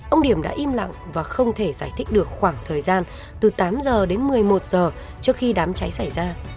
ông điểm đã im lặng và không thể giải thích được khoảng thời gian từ tám giờ đến một mươi một giờ trước khi đám cháy xảy ra